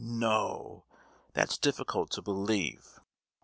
"No!! That's difficult to believe!